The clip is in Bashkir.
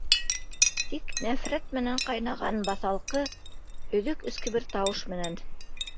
Тик нәфрәт менән ҡайнаған баҫалҡы, өҙөк эске бер тауыш менән: